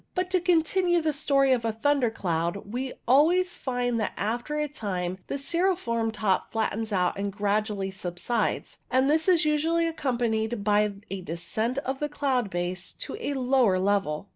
But, to continue the story of a thunder cloud, we alwaysi find that after a time the cirriform top flattens out and gradually subsides, and this is usually accompanied by a descent of the cloud base to a lower level.